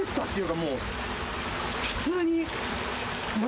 もう。